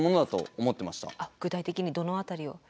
具体的にどの辺りを？